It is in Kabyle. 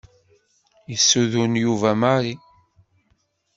Yessuden Yuba Mary.